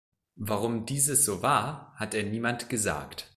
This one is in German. Warum dieses so war, hat er niemand gesagt.